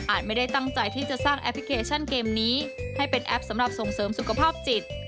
ไม่ได้ตั้งใจที่จะสร้างแอปพลิเคชันเกมนี้ให้เป็นแอปสำหรับส่งเสริมสุขภาพจิต